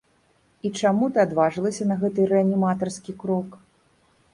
І чаму ты адважылася на гэты рэаніматарскі крок?